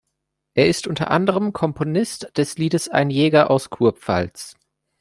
Er ist unter anderem Komponist des Liedes "„Ein Jäger aus Kurpfalz“.